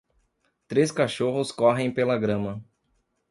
três cachorros correm pela grama.